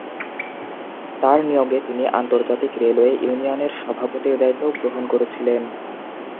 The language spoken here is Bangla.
তাঁর নিয়োগে তিনি আন্তর্জাতিক রেলওয়ে ইউনিয়নের সভাপতির দায়িত্বও গ্রহণ করেছিলেন।